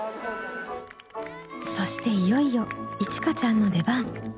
そしていよいよいちかちゃんの出番。